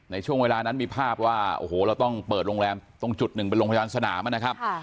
ในช่วงเวลานั้นมีภาพว่าโอ้โหเราต้องเปิดโรงแรมตรงจุดหนึ่งเป็นโรงพยาบาลสนามนะครับ